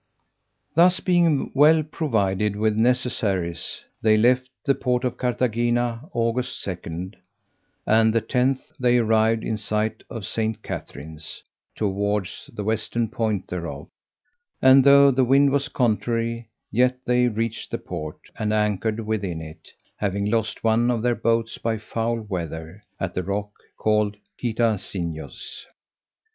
Thus being well provided with necessaries, they left the port of Carthagena, August 2, and the 10th they arrived in sight of St. Catherine's towards the western point thereof; and though the wind was contrary, yet they reached the port, and anchored within it, having lost one of their boats by foul weather, at the rock called Quita Signos.